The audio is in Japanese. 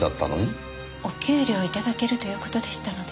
お給料を頂けるという事でしたので。